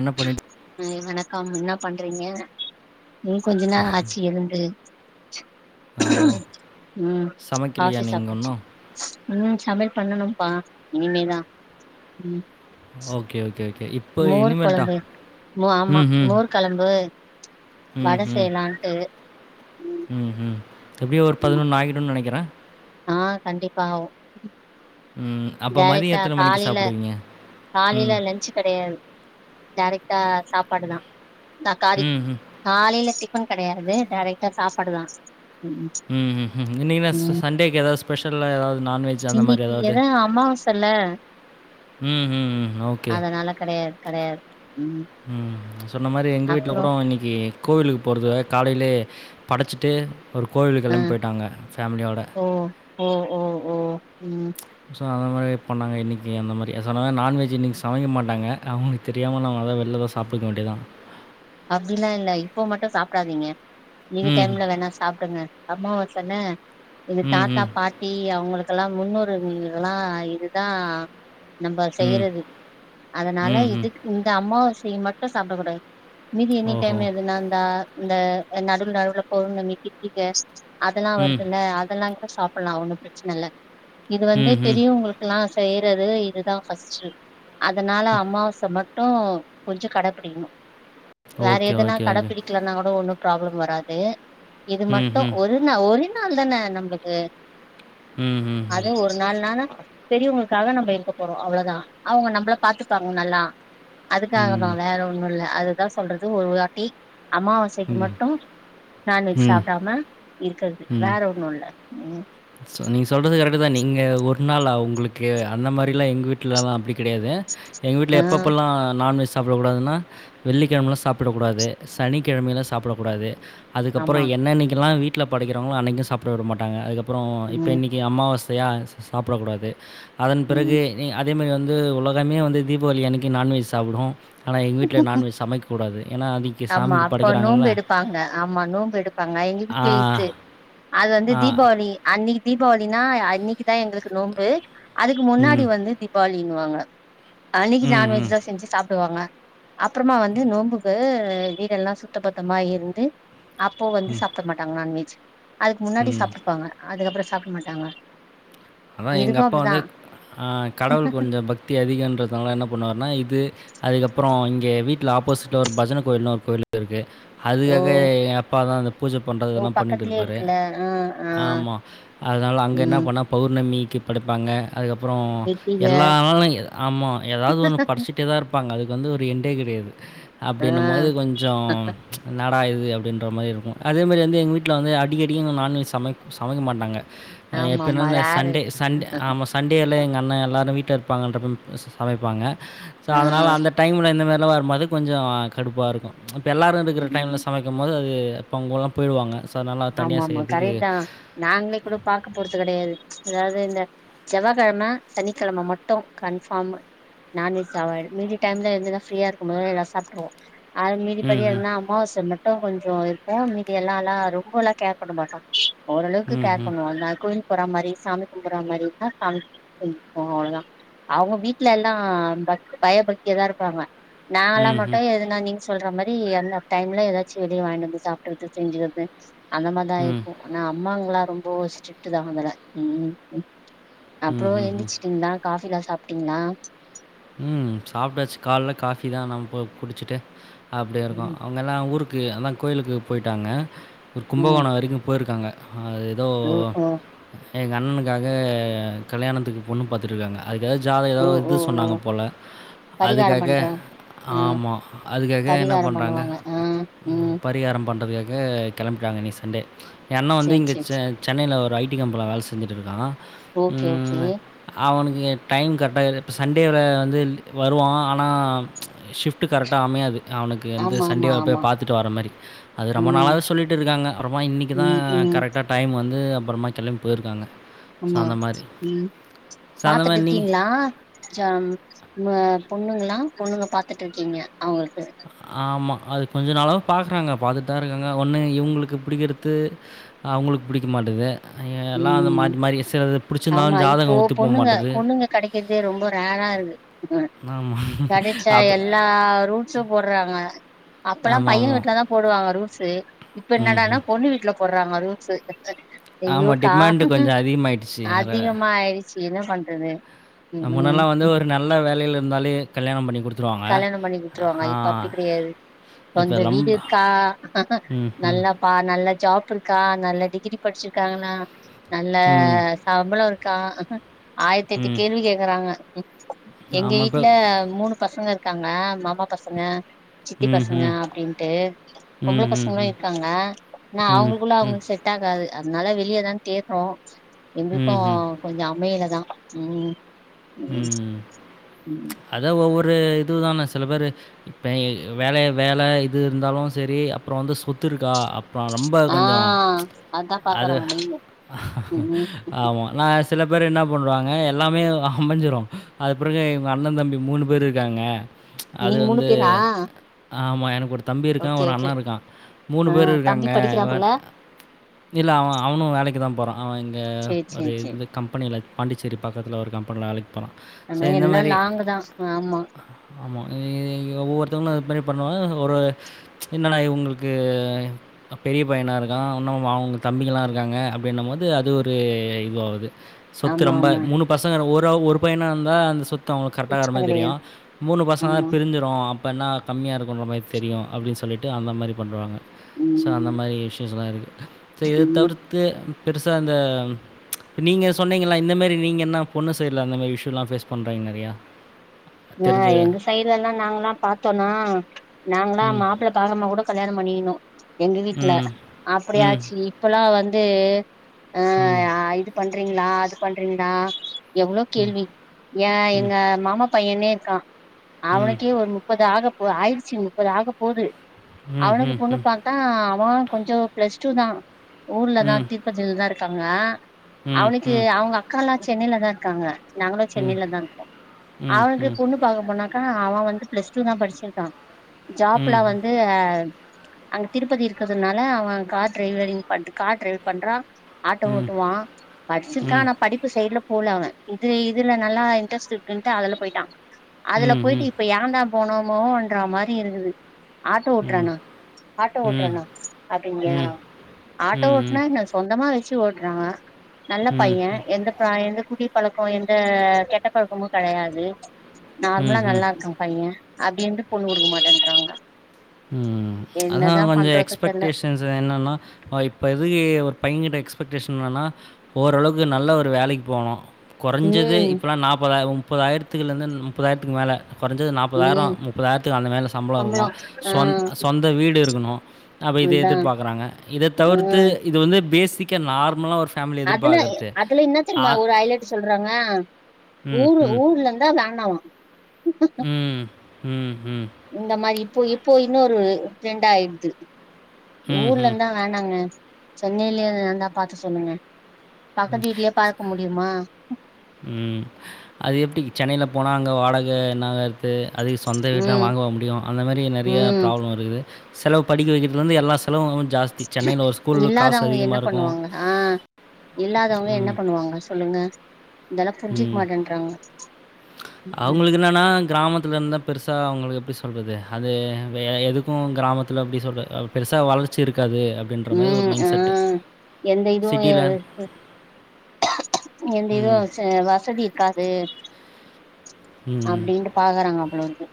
என்ண பண்ணிட்டு ம் வணக்க என்ன பண்றீங்க ம் கொஞ்ச நா ஆச்சி இருந்து ஓ! ம் சமைக்கலையா பாசை நீங்க சாப்பட்டாச்சு இன்னும்? ம் சமையல் பண்ணனும்ப்பா ம் இனிமேதா ஓகே ஓகே ஓகே இப்ப மோர் குழம்பு ஆமா ம். மோர் கழம்பு ம், வட ம். செய்யலான்ட்டு ம் எப்டியோ ஒரு பதினொன்று ஆகிடும்னு நினைக்கிறே ஆ கண்டிப்பா அவு ம் அப்ப மதியம் டேரெக்டா எத்தன மணிக்கு காலெல சாப்பிடுவீங்க? காலைல ம். லன்ஞ்சு கிடையாது டேரெக்டா சாப்பாடு தா நா காரி ம், ம். காலையல டிபன் கிடையாது டேரக்டா சாப்பாடுதா ம் இன்னக்கி என்னா ம் சண்டேக்கு ஏதாவது ஸ்பெஷலா எதாவது நான்வெஜ் அந்த மாரி ஏதாவது ஆமாவாச ல்ல ம் ம் ம் ஓ அதனால கிடையாது கிடையாது ம் சொன்ன மாதிரி எங்க வீட்டு்ல கூட இன் கோவிலுக்கு போறதுகாக காலையிலே படைச்சிட்டு ஒரு கோவிலு கெளம்பி போயிட்டாங்க ஃபேலியோட ம் ம் ம் ம் ஸோ அந்த மாதிரி பண்ணாங்க இன்னைக்கு அந்த மாதிரி சொன்ன நான்வெஜ் இன்னை சமைக்க மாட்டாங்க அவங்களுக்கு தெரியாம ந அதா வெளிலி எதா சாப்பிடக்க வேண்டியதா அப்படிலா இல்ல இப்போ மட்டும் சாப்பிடாதீங்க மீதி ம். டைம்ல வேணா சாப்பிடுங்க அம்மாவச என்ன இது தாத்தா ம்ஹ்ம். பாட்டி அவங்களுக்கெல்லா முன்னோரு எல்லா இதுதா நம்ம ம். செய்யறது அதனால ம்ஹ்ம். இதுக்கு இந்த அம்மாவாசை மட்டும் சாப்பிடக்க கூடாது மீதி எனி ஓஹோ! டைம் எதுனா இந்தந்த இந்தந்த நடுவுவில் நடுவுல பௌர்ணமி கிருத்திகா அதெல்லா ம். வருதுல்ல அதெல்லா கூட சாப்பிடலா ஒன்னு பிரச்சன இல்ல இது வந்து ம்ஹ்ம். பெரியவங்களுக்கு லாம் செய்யறது இதுதா ஃபர்ஸ்ட்ட் அதனால அமாவாச மட்டும் கொஞ்சம் கடபிடிக்கணும் வேற ஓகே, எதுனா ஓகே, ஓகே. கடப்பிடி லனா கூட ஒன்னும் ப்ராப்ளம் வராது இது மட்டும் ம்ஹ்ம். ஒரு நா ஒரு நாள் தான நம்மளுக்கு ம்ஹ்ம். அது ஒரு நாலனால பெரியவங்களுக்காக நம்ம இருக்க போறோம் அவ்வளவுதா அவங்க நம்மள பாத்துப்பாங்க நல்லா ம். அதுக்கங்க தா ம். வேற ஒண்ணும் இல் அதுதா சொல்றது ஒரு வாட்டி அம்மாவாச க்கு ம். மட்டு நான்வெஜ் ம். ம் சாப்பிடாம இருக்கிறது ம் வேற ஒண்ணு இல்ல நீங்க சொல்றது கரெக்டு தா நீங்க ஒரு நாளா உங்களுக்கு அந்த மாரி எல்லா எங்க வீட்டுலல்லா அப்டி கெடையாது எங்க வீட்ல ஆ எப்பப்பல்லா நான்வெஜ் சாப்டக்கூடாதுன்னா வெள்ளிக்கெழமல்லா சாப்டக்கூடாது சனிக்கெழமெல்லா சாப்டக்கூடாது அதுக்கப்றோ ஆமா என்னன்னைக்கலா வீட்ல படைக்கிறாங்களோ அன்னைக்கு சாப்டவிட மாட்டாங்க அதுக்கப்றோ இப்போ ம் இன்னைக்கி அம்மாவசையா சாப்டக் கூடாது அதன் ம் பிறகு அதே மாரி உலகமே வந்து தீபாவளி அன்னைக்கு நான்வெஜ் சாப்டு ஆனா எங்க வீட்ல நான்வஜ் சமைக்ககூடாது ஏனா அன்னைக் ஆமா அப்போ நோம்பு எடுப்பாங்க ஆமா நோம்பு எடுப்பாங்க எங்க ஆ, வீட்ல இருக்கு அது வந்து ஆ, தீபாவளி அன்னைக்கு தீபாவளின்னா அன்னைக்கு தா எங்களுக்கு நோம்பு அதுக்கு முன்னாடி ம், வந்து ளினுவாங்க அன்னைக்கு ம், ம், நான்வெஜ் தா செஞ்சு சாப் டுவாங்க அப்புறமா வந்து நோம்புக்கு வீடெல்லா சுத்த பத்தமா இருந்து அப்போ வந்து சாப்ட மாட்டாங்க நான்வெஜ் அதுக்கு முன்னாடி ம். சாப்டுப்பாங்க அதுக்கப்றோ சாப்ட மாட்டாங்க அதா எங்க இதுக்கு அப்பா அப்டிதா வந்து அ கடவுள் கொஞ்ச பக்தி அதிகன்றதுனால என்ன பண்ணுவாருனா இது அதுக்கப்றோ இங்க வீட்ல ஆப்போசிட்ல ஒரு பஜன கோயில்னு ஒரு கோயில் இருக்கு ஓ அதுக்காக எங்க அப்பாதா இந்த பூஜ பண்ணுறது இதெல்லா பண்ணிட்ருக் இருக்குல ஆ ஆமா அதனால அங்க என்ன ம் பண்ண பௌர்ணமிக்கு படிப்பாங்க அதுக்கப்றோ கிருத்திக எல்லா நாளு ஏதாவது ஒன்னு படிச்சு கிட்டே தா இருப்பாங்க அதுக்கு வந்து ஒரு எண்டே கெடையாது ஆ அப்டின்னும் போது கொஞ்சோ என்னடா இது அப்டின்ற மாரி இருக்கு அதேமாரி வந்து எங்க வீட்ல வந்து அடிக்கடிக்கு நான்வெஜ் சமைக் சமைக்க மாட்டாங்க அ ஆமாம் எப்படின்னா இந்த சண்டே சண்டே ஆமா சண்டேயில எங்க அண்ணே எல்லோரு வீட்ல இருப்பாங்கன்றது கோசோ சமைப்பாங்க சோ ஆ அதனால அந்த டைம்ல இந்த மாரிலா வரும்போது கொஞ்சோ கடுப்பா இருக்கு எல்லாரு இருக்குற ம் டைம்ல சமைக்கும் போது அது அப்ப அவுங்கலா போயிடுவாங்க சோ அதனால அ தனியா செய்யறதுக்கு நாங்ளே கூட பாக்க போறது கெடையாது அதாவது இந்த செவ்வா கெழம சனிக்கெழம மட்டு கன்ஃபார்ம் நான்வெஜ் அவாய்ட் மீதி டைம்ல எந்த ஃப்ரீய இருக்கும் போதல்லா எதாது சாப்டுருவோ அது மேரி படி ம்ஹ்ம். எதுனா அமாவாச மட்டு கொஞ்சோ இருப்போ மீதி எல்லாலா இருப் ரொம்பலா கேர் பண்ண மாட்டோ ஓரளவுக்கு கேர் ம்ஹ்ம். பண்ணுவோ [unintelligible] போற மாரி சாமி கும்புற மாரி தா சாமி செஞ்சுபோ அவ்ளோதா அவங்க வீட்டுல எல்லா பக் பயபக்தியதா இருப்பாங்க நாங்க எல்லா மட்டு ம்ஹ்ம். எதுனா நீங் சொல்ற மாரி எந்த டைம்ல ஏதாச்சு வெளிய வாங்கிட்டு வந்து சாப்புறது செஞ்சுறது அந்த மாரி தா ம். ம். இருப்போ ஆனா அம்மாங்கல்லா ரொம்ப ஸ்ட்ரிக்டு தா அதுல ம். அப்றோ ம்ஹ்ம். எழுந்திச்சுட்டீங்களா காஃபிலா சாப்டீங்களா ம் சாப்டாச்சு கால்ல காஃபி தா நம்போ குடிச்சிட்டு அப்டியே இருக்கோ ம் இங்கெல்லா ஊருக்கு அதா கோயிலுக்கு போயிட்டாங்க ஒரு ம் கும்பகோணோ வரைக்கு போயிருக்காங்க அது தோ ம் ம் எங்க அண்ணனுக்காக கல்யாணத்துக்கு பொண்ணு பாத்துருக்காங்க அதுக்க ஏதாவது ஜாதகோ ஏதோ இது சொன்னாங்க போல பரிகாரோ அதுக்காக பண்றோ ஆமா அதுக்காக என்ன பண்றாங்க பண்ணுவாங்க ஆ ம் பரிகாரோ பண்றதுக்காக கெளம்பிட்டாங்க இன்னைக்கு சண்டே ஏ அண்ண வந்து சேரி இங்க சேரி சேரி சென் சென்னையில ஒரு ஐ டி கம்பெனில வேல செஞ்சுட்ருக்கா ஓகே ஓகே அவனுக்கு டைம் கரெக்டா இப்ப சண்டேவுல வந்து வருவோ ஆனா ஷிஃப்ட்டு கரெக்டாக அமயாது அவனுக்கு வந்து ஆமா சண்டே ஆமா வ போய் ஆமா பாத்துட்டு வர்ர மாரி அது ரொம்ப ம் நாளாவே சொல்லிட்டு இருக்காங்க ரொம்ப இன்னிக்குதா ம் ம் கரெக்டா டைம் வந்து அப்பறமா கெலம்பி போய்ருக்காங்க ஆமா ம் ஸோ அந்த பாத்துட்டு மாரி நீங்க இருக்கீங்ளா சாம் ம்ம பொண்ணுங்ளா பொண்ணுங்கள பாத்துட்ருக்கீங்க அவங்களுக்கு ஆமா அது கொஞ்ச நாளவு பாக்கறாங்க பாத்துட்டுதா இருக்காங்க ஒண்ணு இவங்களுக்கு புடிக்கறது அவங்களுக்கு புடிக்க மாட்டது அங்க எல்லா அந்த ம் மாரி மாரி சிலது புடிச்சிருந்தாலு ஜாதகோ ஒத்து போமாட்டேது கெடைக்கரதே ரொம்ப ரேரா இருக்கு ஆமா கெடச்சா அப் எல்லா ரூல்ஸ்ஸு போட்றாங்க அப்பல்லா பைய ஆமாமா. வீட்லதா போடுவாங்க ரூஸ்ஸு இப்ப என்னடனா ம்ஹ்ம். பொண்ணு வீட்ல போட்றாங்க ரூல்ஸு ஆமா. எங்யோக்கா டிமாண்ட் கொஞ்சம் அதிகமாயிடுச்சு வேற. அதிகமா ஆய் ருச்சு என்ன பண்றது ம் முன்னெல்லா வந்து ஒரு நல்ல வேலையில இருந்தாலே கல்யாணம் பண்ணி குடுத்துருவாங்க. கல்யாணோ பண்ணி குத்துருவாங்க ஆ. இப்ப அப்டி கெடையாது இப்ப சொந்த வீடு ரொம்ப இருக்கா ம்ஹ்ம். நல்லா ப்பா நல்ல ஜாப் இருக்கா நல்ல டிகிரி படுச்சிருக்கான்னா நல்ல ம். சம்பளோ இருக்கா ஆயிரத்தெட்டு ம். கேள்வி கேக்கறாங்க எங்க ஆமா இப்ப வீட்ல மூணு பசங்க இருக்காங்க மாமா பசங்க சித்தி பசங்க ம்ஹ்ம். அப்டின்ட்டு பொம்பள ம், ம், பசங்களா ம். இருக்காங்க ஆனா ம். அவங்களுக்குள்ள அவுங்களுக் செட் ட்டாகாது அதனால வெளியதா கேட்டோ எங்களுக்கு ம்ஹ்ம். கொஞ்சோ அமையிலதா ம் ம் ம் அதா ஒவ்வொரு இதுதான சில பேரு இப்ப வேலய வேல இது இருந்தாலு சேரி அப்றோ வந்து சொத்துருக்கா இப்ப ரொம்ப ஆ கொஞ்சோ அதா அது பாக்குறாங்க நீங்க ம் ம் ஆமா அனா சில பேர் என்ன பண்ணறாங்க எல்லாமே அ அமஞ்சுரு அது பிறகு எங்க அண்ணன் தம்பி மூணு பேர் இருக்காங்க அது நீங்க மூணு வந்து பேரா ஆமா எனக்கு ஒரு தம்பி இருக்கா ஓகே ஒரு அண்ணா ஓகே இருக்கா மூணு ஆ பேரு தம்பி இருக்காங்க படிக்கிறாப்புல இல்ல அவ அவனு வேலைக்கு தா போறா அவ இங்க சேரி ஒரு சேரி சேரி இந்த கம்பெனியில பாண்டிச்சேரி பக்கத்துல ஒரு கம் பெனில வேளைக்கு போறா அது மாரி எல்லா நாங்கதா ஆமா ஆமா இ இங்க ஒவ்வொருத்தவங்களு அது மாரி பண்ணுவாங்க ஒரு என்னடா இவுங்களுக்கு பெரிய பையனா இருக்கா இன்னு அவங்க தம்பிகள்ல்லா இருக்காங்க அப்டினம் போது அது ஒரு இது ஆகுது சொத்து ஆமா ரொம்ப ஆமா மூணு பசங்க ஒரு ஒரு பையன இருந்தா அந்த சொத்து து அவங்களுக்கு கரெக்டாக இருக்க பிரச்சன மாரி தெரியு கெடையாது மூணு பசங்கனா ஆமா பிரிஞ்சு சுரு அப்றோ என்ன கம்மியா இருக்குன்ற மாரி தெரியு அப்டின்னு சொல்லிட்டு அந்த மாரி பண்ணுவாங்க சோ அந்த ம் மாரி இஸ்யூஸ் எல்லா இருக்கு இத ம் தவிர் து பெருசா அந்த இப்ப நீங்க சொன்னிங்களா இந்தமாரி நீங்க என்ன பொண்ணு சைடுல அந்த மாரி இஸ்யூலா பேஸ் பண்றீங்க நெறயா ஆ எங்க சைட்லல்லா நாங்கல்லா பாத்தோனா நாங்களா ம். மாப்புள்ள பக்காமா கூட கல்யாண பண்ணிகினோ எங்க வீட்ல ம். ம். அப்பிடியாச்சி இப்பல்லா வந்து ம் அ இது பண்றீங்ளா அது பண்றீங்ளா எவ்ளோ கேள்வி ஏ ம். எங்க ம். மாமா பையனே இருக்கா ம். அவனுக்கே ஒரு முப்பது ஆகப்போ ஆயிடுச்சு முப்பது ஆக போது ம். ம். ம். அவனுக்கு ம். பொண்ணு பாத்தா அவ கொஞ்சொ பிளஸ் டூ தா ஊர்ல தா தி ருப்பதில் தா இருக்காங்க ம். அவனுக்கு ம். அவுங்க அக்கால்லா சென்னைல தா இருக்காங்க நாங்களு சென்னைல தா இருக்கோ ம். ம். அவனுக்கு ம். பொண்ணு பாக்க போனாக்கா அவ வந்து பிளஸ் டூ தா படிச்சிருக்கா ஜாப்ல ம். வந்து அங்க திருப்பதி இருக்கதுனால அவ கார் டிரைவரிங் பண் கார் டிரைவ் பண்றா ஆட்டோ ம். ஓட்டுவா பட்ச்சிருக்கா ம். ம். ஆனா படிப்பு சைட்ல போல அவெ இது இதுல நல்லா இன்ட்ரெஸ்ட் இருக்குன்ட்டு அதுல போய்ட்டா அதுல போயிட்டு ம். ம். இப்ப ஏன்டா போனோமோன்ற மாரி இருகுது ஆட்டோ ம். ம். ஓட்றானா ம். ஆட்டோ ஓட்றானா ம். அப்டின் கேக்குறாங் ஆட்டோ ஓட்னா என்ன சொந்தமா வச்சு ஓட்றாங்க நல்ல பைய எந்த க எந்த குடி பழக்கோ எந்த கெட்ட பழக்கமு கெடையாது நார்மலா ம். ம். ம் நல்லா இருக்கா பைய அப்டியிருந்து பொண்ணு குடுக்க மாட்டேன்றாங்க ம் அதா என்னதா கொஞ்ச பண்றது தெர்ல எக்ஸ்பெக்டேஷ ன்ஸு என்னனா இப்ப இதுகு ஒரு பையங்கிட்ட எக்ஸ்பெக்டேஷன் என்னன்னா ஓரளவ்க்கு நல்ல ஒரு வேலைக் போனு கொறஞ்சது ம் இப்பலா நாப்பதாய முப்பதாயிரத்துக்குல்லந்தன் முப்பதாயிரத்துக்கு மேல கொறஞ்சது நாப்பதாயிரொ ம் முப்பதாயிரத்துக்கு அந்த மேல சம்பள சம்பளோ இருக்கனு ஆ சொந் சொந்த வீடு இருக்கனு அப்ப இத அதா எதிர்பாக்குறாங்க இத ஆ தவிர்த்து இது வந்து பேசிக்க நார்மலா ஒரு ஃபேமிலி அதுல எதிர்பார்க்குறது. அதுல இன்னா ஆ தெரிமா ஒரு ஐலட்டு சொல்றாங்க ம், ஊரு ம். ஊர்ல இந்தா வேணாவா ம் ம் ஹும் இந்த மாரி இப்போ இப்போ இன்னொரு ட்ரெண்ட் ஆயிர்து ம், ஊர்ல ம். இந்தா வேணாங்க சென்னையிலே எதுனாந்தா பாத்து சொல்லுங்க பக்கத்து வீட்லயே பாக்க முடியுமா? ம் அது எப்டி சென்னைல போனா அங்க வாடக என்னா எ து அதுக்கு சொந்த வீட்னா ம் வாங்கவா முடியு அந்த மாரி நெறைய ம் ப்ராப்ளம் இருக்குது செலவு படிக்க வக்கிறதுலெந்து எல்லா செலவு ஆவு ஜாஸ்தி சென்னைல ஒரு ஸ்கூல்லு காசு இல்லாதவங்க என்ன அதிகமாக இருக்கு பண்ணுவாங்க ஆ இல்லாதவுங்க என்ன பண்ணுவாங்க சொல்லுங்க இதெல்லா புரிஞ்சிக் மாட்டேன்றாங்க ம் அவுங்ளுக்கு இன்னானா கிராமத்துலெந்தா பெருசா அவுங்களு எப்டி சொல்றது அது வே எ எதுக்கு கிராமத்துல அப்டி சொல்ற அ பெருசா வளர்ச்சி இருக்காது அ ம் ஆ எந்த இதுவு சிட்டில எருக்கு எந்த இதுவு ம், [unintelligible] ஆ வசதி இருக்காது அப்டின்ட்டு பாக்குறாங்க போலருக்கு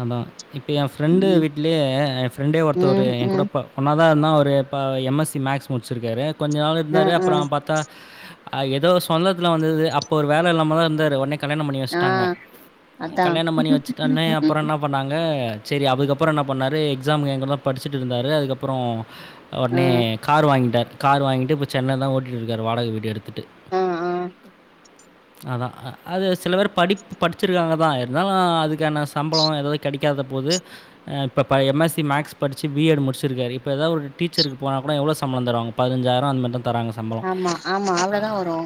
அதா இப்ப எ ஃப்ரெண்டு வீட்லயே எ ஃப்ரெண்டே ஒருத்தவரு ம் எ ம் ம் கூடப் ப ஒன்னா தா இருந்தோ அவரு இப்ப எம் எஸ் சி மேக்ஸ் முடிச்சுருக்காரு கொஞ்ச நாள் ஆ இருந்தாரு ஆ அப்றோ பாத்தா அ ஏதோ சொந்தத்துல வந்தது அப்ப ஒரு வேல இல்லாமதா இருந்தாரு ஒன்னே கல்யாணம் பண்ணி ஆ வச்ட்டாங்க அதா கல்யாணம் பண்ணி வச்சுட்டோன்னே என்ன பண்ணாங்க சேரி அதுக்கப்புறொ என்ன பண்ணாரு எக்ஸாம் ஏங்குடதா படிச்சுட்டுருந்தாரு அதுக்கப்புறோ ஆ ஒடனே கார் வாங்கிட்டார் கார் வாங்கிட்டு இப்ப சென்னைலதா ஓட்டிட்டு இருக்கார் வாடகை வீடு எடுத் த்துட்டு ஆ ஆ அதா அது சில பேர் படிப் படிச்சிருக்காங்கதா இருந்தாலு அதுக்கான சம்பளோ எதாது கெடைக்காத போது அ இப்ப ப எம்எஸ்சி மேக்ஸ் படிச்சி பிஎடு முடிச்சிருக்காரு இப்ப எதா ஒரு டீச்சருக்கு போன கூட எவ்வளோ சம்பளோ தருவாங் பதினஞ்சாயிரோ அந்த மே தா தராங்க ச ஆமா ஆமா அவ்ளதா வரு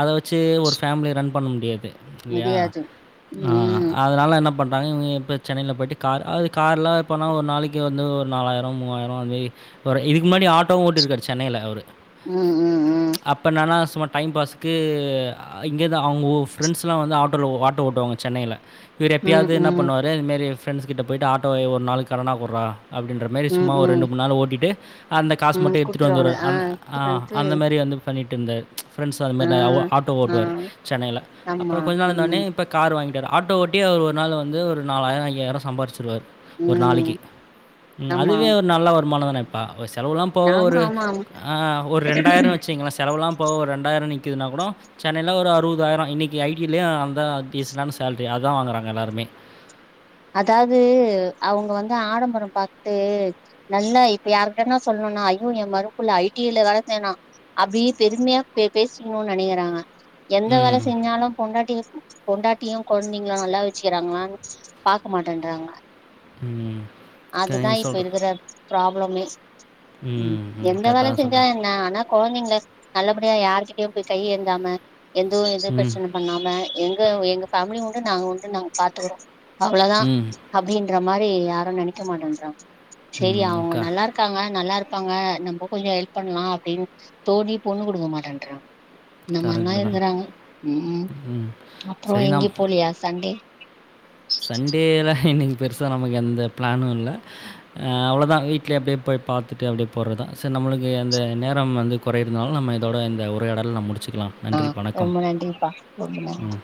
அத வச்சி ஒரு ஃபேமிலி ரன் பண்ண முடியாது இல்லையா முடியாது அ ம் அதனால என்ன பண்றாங்க இவங்க எப்ப சென்னையில போய்ட்டு கார் அது கார்லா போனா ஒரு நாளைக்கு வந்து ஒரு நாலாயிரோ மூவாயிரோ மே வரு இதுக்கு முன்னடி ஆட்டோவு ஓட்டிருக்காரு சென்னையில அவரு ம் ம் ம் அப்ப இன்னன்னா சும்மா டைம் பாஸ்சுக்கு ஆ இங்கதா அவங்க உ ஃப்ரெண்ட்ஸ்லா வந்து ஆட்டோல ஒ ஆட்டோ ஓட்டுவாங்க சென்னையில இவறே ம் ப்டியாது என்ன ம் பண்ணுவாரு இதுமாரி ஃப்ரெண்ட்ஸ் கிட்ட போயிட்டு ஆட்டோ எ ஒரு நாளைக்கு கடனாகுறா அப்டின்ற மேரி ம் சும்மா ஒரு ம் ரெண்டு மூனு நாள் ஓட்டிட்டு அந்த காசு ம் மட்டு எடுத்துட்டு குடுத்துருவாங்க வந்துருவார் அந் ஆ எடுத்துட்டு வந்து அந்த மேரி அந்து பண்ணிட்டு இருந்தார் ஃப்ரெண்ட்ஸ் அது ஆ மேரி ந அவ்வோ ஆட்டோ ஆ ஓட்டுவார் சென்னையில ஆமா அப்புறோ கொஞ்ச நாள் இருந்தோனை ம் இப்ப கார் வாங்கிட்டார் ஆட்டோ ஓட்டி அவர் ஒரு நாள் வந்து ஒரு நாலாயிரோ அய்யாயிரோ சம்பாரிச்சிருவார் ஒரு நாளைக்கு ம் ம் ஆமா அதுவே ஒரு நல்ல வருமானம் தானேப்பா ஒரு செலவுல்லா போவ ஆமா ஒரு ஆமா ஆமா அ ஒரு ரெண்டாயிரோ வச்சுங்களே செலவுலா போவ ஒரு ரெண்டாயிரோ நிக்குதுனா கூடோ சென்னைல்லா ஒரு அறுபதாயிரோ இன்னிக்கு ஐடிலே அந்தா டிசெண்டான சேலரி அதா வாங்குறாங்க எல்லாருமே அதாது அவங்க வந்து ஆடம்பரம் பாத்து நல்லா இப்ப யார்கன்ன சொல்லனுன்னா ஐயோ ஏ மறுவப்புள்ள ஐடில வேல செய்யணா அப்பிடியே பெருமையா பேசிக்கணுன் நெனைக்கிறாங்க எந்த வேல ம். செஞ்சாலு பொண்டாட்டிங்க பொண்டாட்டியு கொழந்தைங்களு நல்லா வச்சிக்கிறாங்களா பாக்கமாட்டன்றாங்க ம். க அதுதா நீங்க இப்ப சொல்ற இருக்கிற ப்ராப்ளமே ம் எந்த கரெக்ட்டா வேல தான் செஞ்சா சொல்றீங்க. என்ன ஆனா கொழந்தைங்கள நல்லபடியா யாருகிட்டயு போய் கை ஏந்தாம எந்தவு எது ம். பிரச்சன பண்ணாம எங்க எங்க ஃபேமிலி உண்டு நாங்க உண்டு நாங்க பாத்துக்கறோ அவ்வளதா ம். அப்டின்ற மாரி யாரு நெனைக்க மாட்டன்றாங்க சேரி ம். அவுங்க க நல்லா இரு க்காங்க நல்லா இருப்பாங்க நம்ம கொஞ்சோ ஹெல்ப் பண்ணலா அப்பிடின் தோணி பொண்ணு குடுக்கமாட்டன்றாங் நம்மல்லா கரெக்ட்டு தான். இருக்கிறாங்க ம் ம். அப்புறோ சரி நாம் எங்கியு போலியா சண்டே சண்டேல இன்னிக்கு பெருசா நமக்கு எந்த பிளானு இல்ல ஆ அவ்ளதா வீட்லியே அப்டியே போய் பாத்துட்டு அப்டியே போறதா சேர் நம்மளுக்கு அந்த நேரம் வந்து கொறை இருந்தாலு நம்ம இதோட இந்த உரையாடல் நம்ம முடிச்சிக்கலா ஆ ரொம்ப நன்றிப்பா ரொம்ப ம். நன்றி